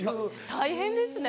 大変ですね。